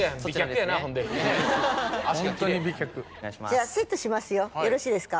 じゃあセットしますよよろしいですか。